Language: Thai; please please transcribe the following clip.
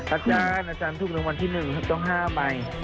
อาจารย์อาจารย์ทุกวันวันที่หนึ่งต้องห้ามไป